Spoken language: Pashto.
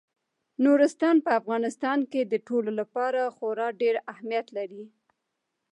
نورستان په افغانستان کې د ټولو لپاره خورا ډېر اهمیت لري.